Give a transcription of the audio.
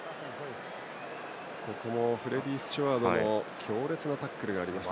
フレディー・スチュワードの強烈なタックルがありました。